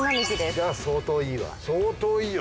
じゃあ相当いいわ。